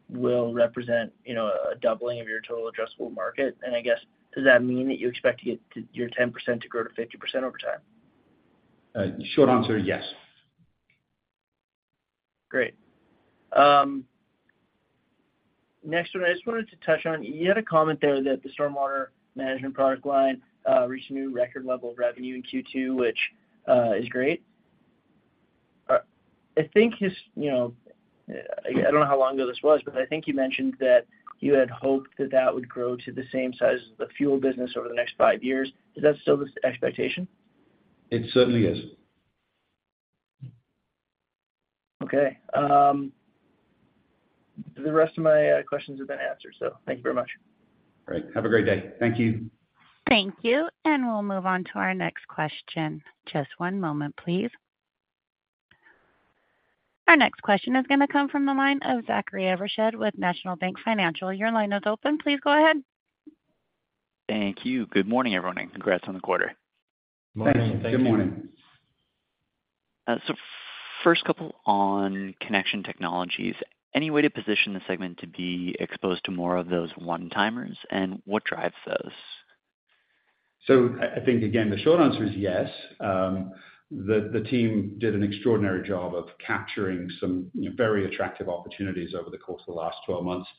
will represent, you know, a doubling of your total addressable market? I guess, does that mean that you expect to get to your 10% to grow to 50% over time? short answer, yes. Great. Next one, I just wanted to touch on, you had a comment there that the stormwater management product line, reached a new record level of revenue in Q2, which, is great. I think, you know, I don't know how long ago this was, but I think you mentioned that you had hoped that that would grow to the same size as the fuel business over the next 5 years. Is that still the expectation? It certainly is. Okay, the rest of my questions have been answered, so thank you very much. Great. Have a great day. Thank you. Thank you. We'll move on to our next question. Just one moment, please. Our next question is gonna come from the line of Zachary Evershed with National Bank Financial. Your line is open. Please go ahead. Thank you. Good morning, everyone, and congrats on the quarter. Morning. Good morning. first couple on Connection Technologies. Any way to position the segment to be exposed to more of those one-timers, and what drives those? I think, again, the short answer is yes. The team did an extraordinary job of capturing some very attractive opportunities over the course of the last 12 months.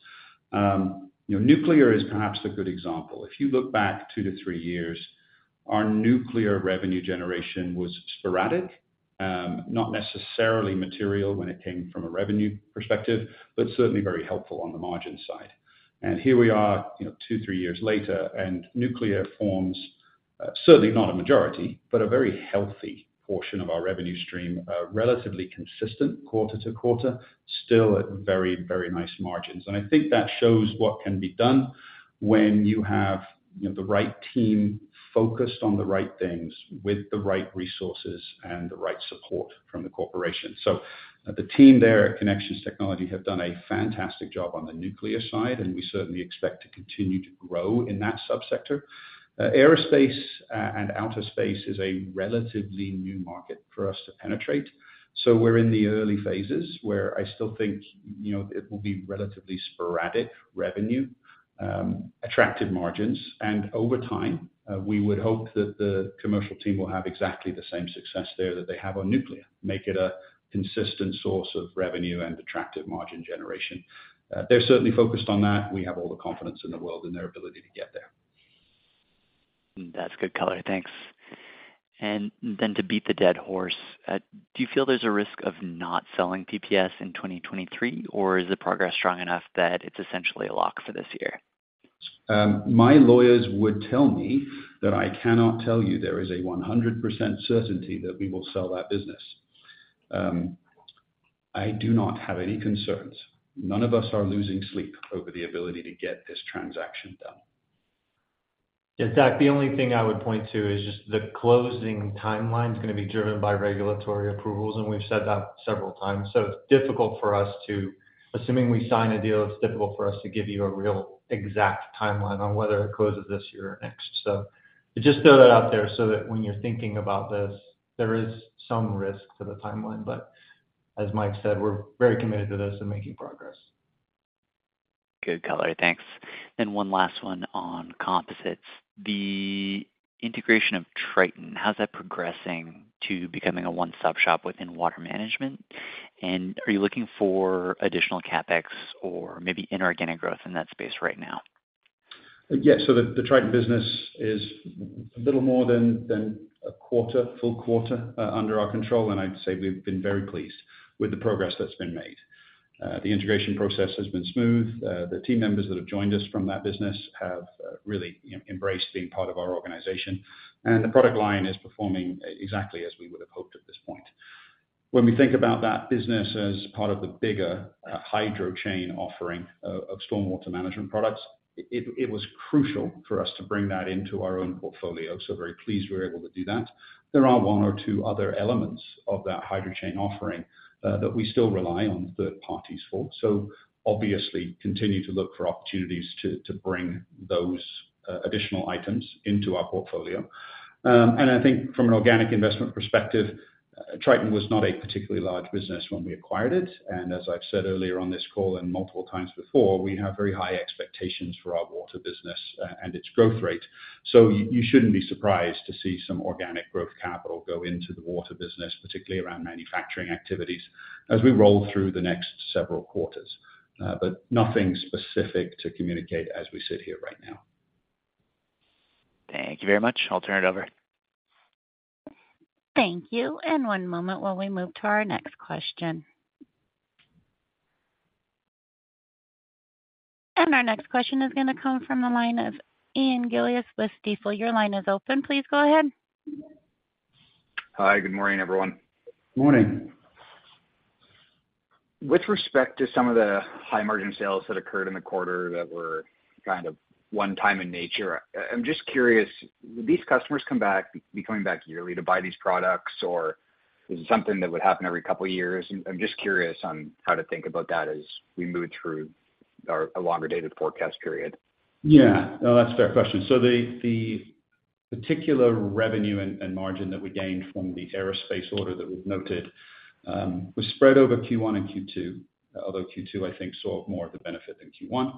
You know, nuclear is perhaps a good example. If you look back 2-3 years, our nuclear revenue generation was sporadic, not necessarily material when it came from a revenue perspective, but certainly very helpful on the margin side. Here we are, you know, 2, 3 years later, and nuclear forms certainly not a majority, but a very healthy portion of our revenue stream, relatively consistent quarter to quarter, still at very, very nice margins. I think that shows what can be done when you have, you know, the right team focused on the right things with the right resources and the right support from the corporation. The team there at Connection Technologies have done a fantastic job on the nuclear side, and we certainly expect to continue to grow in that subsector. Aerospace and outer space is a relatively new market for us to penetrate, so we're in the early phases where I still think, you know, it will be relatively sporadic revenue, attractive margins. Over time, we would hope that the commercial team will have exactly the same success there that they have on nuclear, make it a consistent source of revenue and attractive margin generation. They're certainly focused on that. We have all the confidence in the world in their ability to get there. That's good color. Thanks. Then to beat the dead horse, do you feel there's a risk of not selling PPG in 2023, or is the progress strong enough that it's essentially a lock for this year? My lawyers would tell me that I cannot tell you there is a 100% certainty that we will sell that business. I do not have any concerns. None of us are losing sleep over the ability to get this transaction done. Zach, the only thing I would point to is just the closing timeline is gonna be driven by regulatory approvals, and we've said that several times. It's difficult for us to, assuming we sign a deal, it's difficult for us to give you a real exact timeline on whether it closes this year or next. Just throw that out there so that when you're thinking about this, there is some risk to the timeline, but as Mike said, we're very committed to this and making progress. Good color. Thanks. 1 last one on composites. The integration of Triton, how's that progressing to becoming a one-stop shop within water management? Are you looking for additional CapEx or maybe inorganic growth in that space right now? Yes. The Triton business is a little more than a quarter, full quarter, under our control, and I'd say we've been very pleased with the progress that's been made. The integration process has been smooth. The team members that have joined us from that business have really, you know, embraced being part of our organization, and the product line is performing exactly as we would have hoped at this point. When we think about that business as part of the bigger HydroChain offering of stormwater management products, it was crucial for us to bring that into our own portfolio. Very pleased we were able to do that. There are one or two other elements of that HydroChain offering that we still rely on third parties for. Obviously, continue to look for opportunities to, to bring those additional items into our portfolio. I think from an organic investment perspective, Triton was not a particularly large business when we acquired it, and as I've said earlier on this call and multiple times before, we have very high expectations for our water business and its growth rate. You shouldn't be surprised to see some organic growth capital go into the water business, particularly around manufacturing activities, as we roll through the next several quarters. Nothing specific to communicate as we sit here right now. Thank you very much. I'll turn it over. Thank you, and one moment while we move to our next question. Our next question is gonna come from the line of Ian Gillies with Stifel. Your line is open. Please go ahead. Hi, good morning, everyone. Morning. With respect to some of the high-margin sales that occurred in the quarter that were kind of one-time in nature, I'm just curious, will these customers come back, be coming back yearly to buy these products, or is it something that would happen every couple of years? I'm just curious on how to think about that as we move through our, a longer-dated forecast period. Yeah. No, that's a fair question. The, the particular revenue and, and margin that we gained from the aerospace order that we've noted was spread over Q1 and Q2, although Q2, I think, saw more of the benefit than Q1,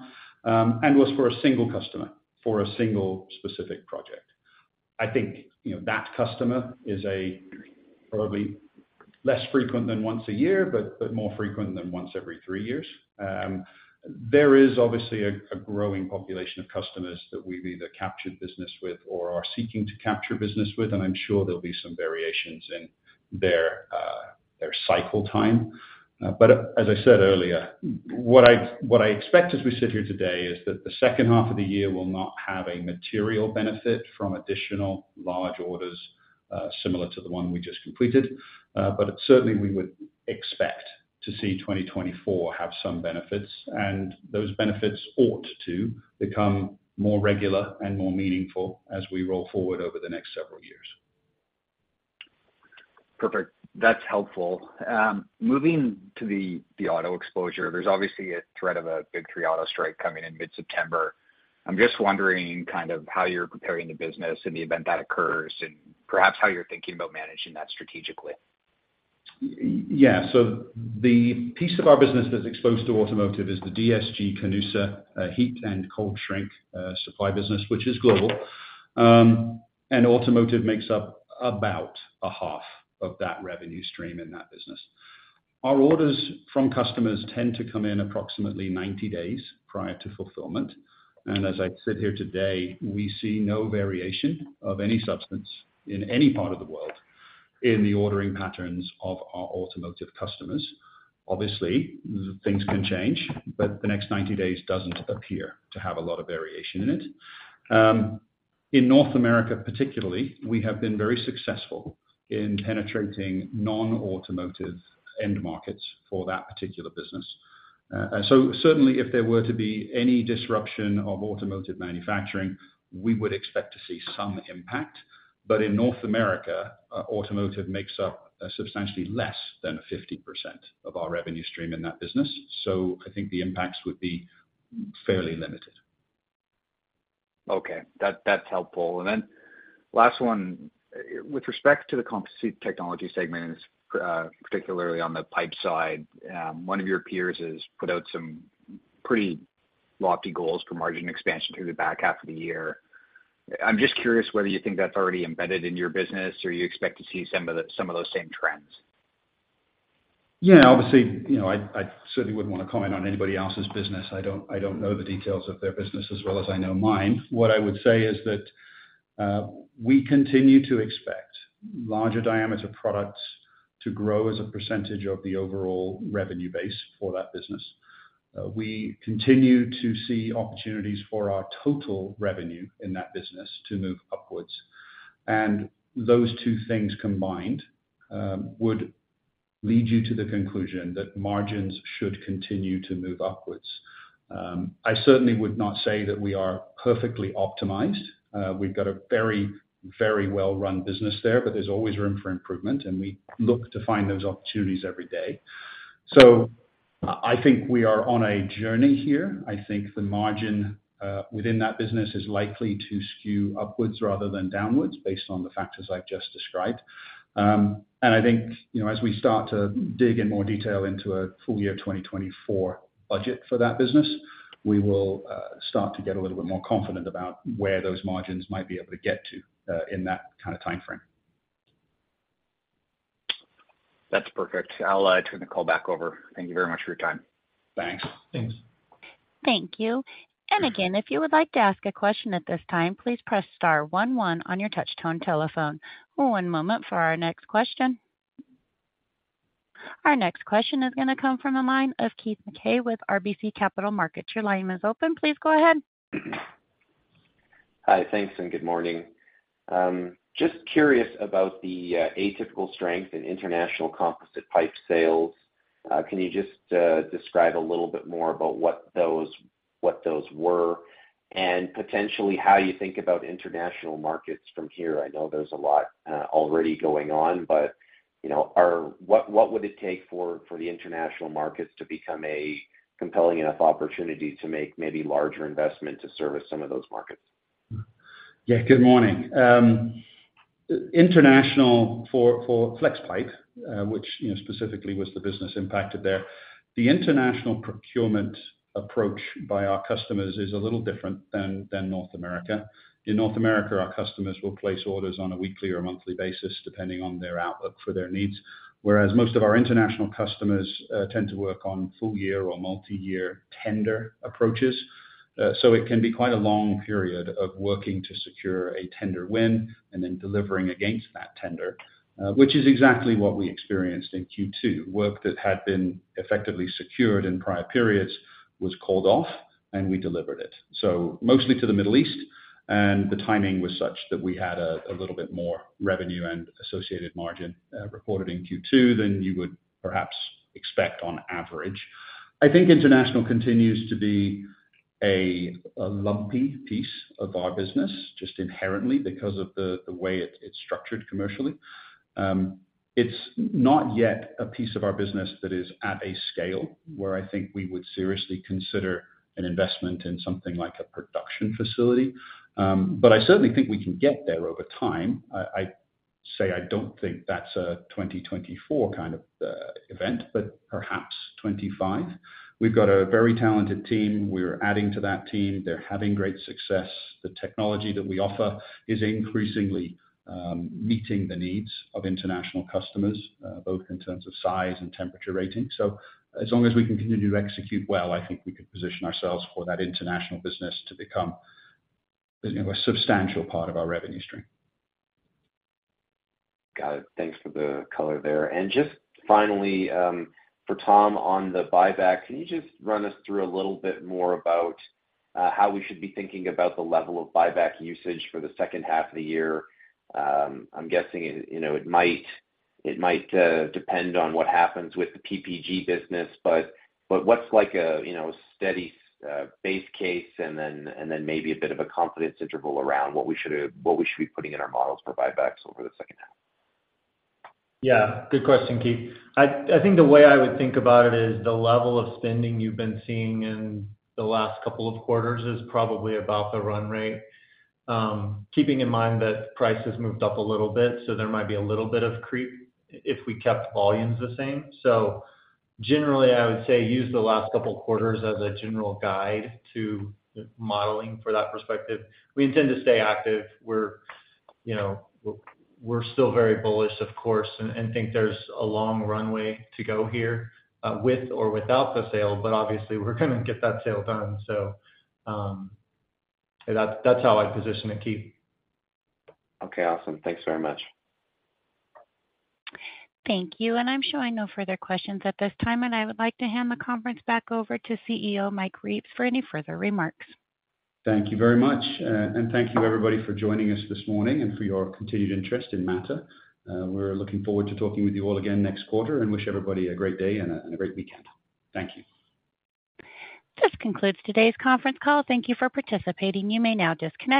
and was for a single customer, for a single specific project. I think, you know, that customer is a probably less frequent than once a year, but, but more frequent than once every three years. There is obviously a, a growing population of customers that we've either captured business with or are seeking to capture business with, and I'm sure there'll be some variations in their cycle time. As I said earlier, what I, what I expect as we sit here today is that the second half of the year will not have a material benefit from additional large orders, similar to the one we just completed. Certainly we would expect to see 2024 have some benefits, and those benefits ought to become more regular and more meaningful as we roll forward over the next several years. Perfect. That's helpful. Moving to the auto exposure, there's obviously a threat of a Big Three auto strike coming in mid-September. I'm just wondering kind of how you're preparing the business in the event that occurs, and perhaps how you're thinking about managing that strategically. Yeah. The piece of our business that's exposed to automotive is the DSG-Canusa heat and cold shrink supply business, which is global. Automotive makes up about 0.5 of that revenue stream in that business. Our orders from customers tend to come in approximately 90 days prior to fulfillment, and as I sit here today, we see no variation of any substance in any part of the world in the ordering patterns of our automotive customers. Obviously, things can change, but the next 90 days doesn't appear to have a lot of variation in it. In North America, particularly, we have been very successful in penetrating non-automotive end markets for that particular business. Certainly, if there were to be any disruption of automotive manufacturing, we would expect to see some impact, but in North America, automotive makes up substantially less than 50% of our revenue stream in that business. I think the impacts would be fairly limited. Okay, that, that's helpful. Then last one, with respect to the Composite Technologies Segment, particularly on the pipe side, one of your peers has put out some pretty lofty goals for margin expansion through the back half of the year. I'm just curious whether you think that's already embedded in your business, or you expect to see some of the, some of those same trends? Yeah, obviously, you know, I, I certainly wouldn't want to comment on anybody else's business. I don't, I don't know the details of their business as well as I know mine. What I would say is that we continue to expect larger diameter products to grow as a percentage of the overall revenue base for that business. We continue to see opportunities for our total revenue in that business to move upwards, and those two things combined would lead you to the conclusion that margins should continue to move upwards. I certainly would not say that we are perfectly optimized. We've got a very, very well-run business there, but there's always room for improvement, and we look to find those opportunities every day. I, I think we are on a journey here. I think the margin within that business is likely to skew upwards rather than downwards, based on the factors I've just described. I think, you know, as we start to dig in more detail into a full year 2024 budget for that business, we will start to get a little bit more confident about where those margins might be able to get to, in that kind of time frame. That's perfect. I'll turn the call back over. Thank you very much for your time. Thanks. Thanks. Thank you. Again, if you would like to ask a question at this time, please press star 11 on your touch tone telephone. One moment for our next question. Our next question is going to come from the line of Keith Mackey with RBC Capital Markets. Your line is open. Please go ahead. Hi, thanks, and good morning. Just curious about the atypical strength in international composite pipe sales. Can you just describe a little bit more about what those, what those were, and potentially how you think about international markets from here? I know there's a lot already going on, but, you know, what, what would it take for, for the international markets to become a compelling enough opportunity to make maybe larger investment to service some of those markets? Yeah, good morning. international for, for Flexpipe, which, you know, specifically was the business impacted there. The international procurement approach by our customers is a little different than North America. In North America, our customers will place orders on a weekly or monthly basis, depending on their outlook for their needs, whereas most of our international customers tend to work on full year or multi-year tender approaches. It can be quite a long period of working to secure a tender win and then delivering against that tender, which is exactly what we experienced in Q2. Work that had been effectively secured in prior periods was called off, and we delivered it. Mostly to the Middle East, the timing was such that we had a little bit more revenue and associated margin, reported in Q2 than you would perhaps expect on average. I think international continues to be a lumpy piece of our business, just inherently because of the way it's structured commercially. It's not yet a piece of our business that is at a scale where I think we would seriously consider an investment in something like a production facility. I certainly think we can get there over time. I say I don't think that's a 2024 kind of event, but perhaps 25. We've got a very talented team. We're adding to that team. They're having great success. The technology that we offer is increasingly meeting the needs of international customers, both in terms of size and temperature rating. As long as we can continue to execute well, I think we can position ourselves for that international business to become, you know, a substantial part of our revenue stream. Got it. Thanks for the color there. Just finally, for Tom, on the buyback, can you just run us through a little bit more about how we should be thinking about the level of buyback usage for the second half of the year? I'm guessing, you know, it might, it might depend on what happens with the PPG business, but, but what's like a, you know, steady base case and then, and then maybe a bit of a confidence interval around what we should, what we should be putting in our models for buybacks over the second half? Yeah, good question, Keith. I, I think the way I would think about it is the level of spending you've been seeing in the last couple of quarters is probably about the run rate. Keeping in mind that price has moved up a little bit, so there might be a little bit of creep if we kept volumes the same. Generally, I would say use the last couple of quarters as a general guide to modeling for that perspective. We intend to stay active. We're, you know, we're still very bullish, of course, and, and think there's a long runway to go here, with or without the sale, but obviously, we're gonna get that sale done. That's, that's how I'd position it, Keith. Okay, awesome. Thanks very much. Thank you. I'm showing no further questions at this time. I would like to hand the conference back over to CEO, Mike Reeves, for any further remarks. Thank you very much, and thank you, everybody, for joining us this morning and for your continued interest in Mattr. We're looking forward to talking with you all again next quarter and wish everybody a great day and a, and a great weekend. Thank you. This concludes today's conference call. Thank you for participating. You may now disconnect.